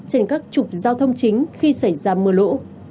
trên các trục giao thông chính khi xảy ra mưa lũ